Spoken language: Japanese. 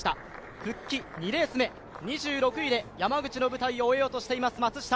復帰２レース目２６位で山口の舞台を終えようとしています松下。